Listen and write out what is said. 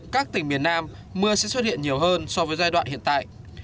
các tỉnh miền nam mưa sẽ xuất hiện nhiều hơn so với giai đoạn hiện tại